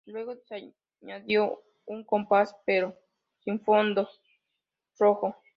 Luego se añadió un compás, pero sin fondo rojo.